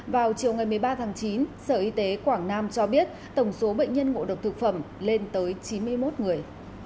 vào chiều ngày một mươi ba tháng chín sở y tế quảng nam cho biết tổng số bệnh nhân ngộ độc thực phẩm lên tới chín mươi một người